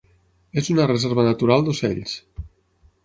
És una reserva natural d'ocells.